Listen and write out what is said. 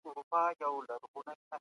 طبيعي سرچينو ته لاسرسی پيدا سوی و.